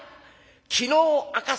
昨日赤坂